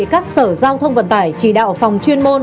các sở giao thông vận tải chỉ đạo phòng chuyên môn